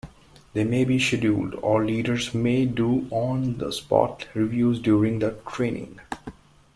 They may be scheduled, or leaders may do on-the-spot reviews during the training.